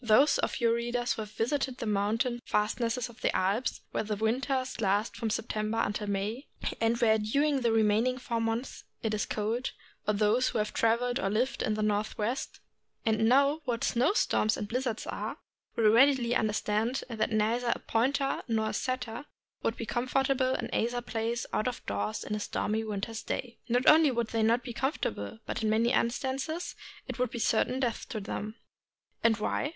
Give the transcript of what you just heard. Those of your readers who have visited the mountain fastnesses of the Alps, where the winter lasts from September until May, and where during the remaining four months it is cold, or those who have traveled or lived in the Northwest, and know what snow storms and blizzards are, will readily understand that neither a Pointer nor a Setter would be comfortable in either place, out of doors, in a stormy winter's day. Not only would they not be comfortable, but in many instances it would be certain death to them. And why?